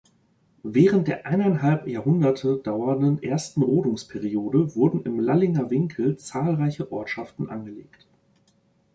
Während der eineinhalb Jahrhunderte dauernden ersten Rodungsperiode wurden im Lallinger Winkel zahlreiche Ortschaften angelegt.